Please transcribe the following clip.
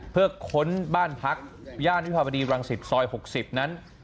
เพื่อค้นบ้านพักย่านวิภาวดีรังสิตซอย๖๐นั้น